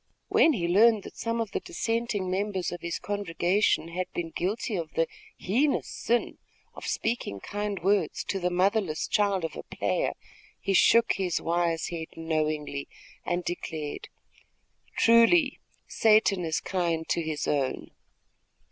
When he learned that some of the dissenting members of his congregation had been guilty of the heinous sin of speaking kind words to the motherless child of a player, he shook his wise head knowingly and declared, "Truly Satan is kind to his own."